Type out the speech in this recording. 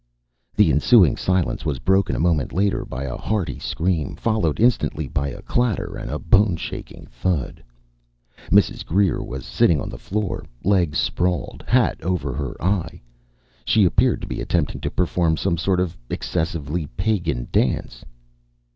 The ensuing silence was broken a moment later by a hearty scream, followed instantly by a clatter and a bone shaking thud. Mrs. Greer was sitting on the floor, legs sprawled, hat over her eye. She appeared to be attempting to perform some sort of excessively pagan dance.